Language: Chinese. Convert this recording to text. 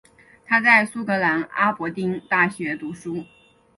他在苏格兰阿伯丁大学读书。